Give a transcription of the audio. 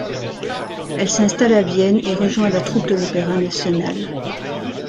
Elle s'installe à Vienne et rejoint la troupe de l'Opéra national.